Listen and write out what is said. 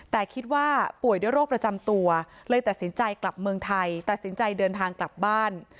แต่คิดว่าป่วยด้วยโรคประจำตัวเลยตัดสินใจกลับเมืองไทยตัดสินใจเดินทางกลับบ้าน